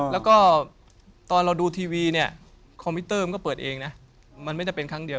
แล้วก็ตอนเราดูทีวีเนี่ยคอมพิวเตอร์มันก็เปิดเองนะมันไม่ได้เป็นครั้งเดียว